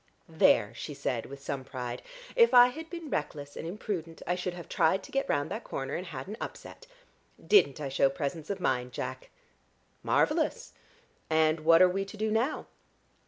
"There!" she said with some pride. "If I had been reckless and imprudent I should have tried to get round that corner and had an upset. Didn't I show presence of mind, Jack?" "Marvellous. And what are we to do now?"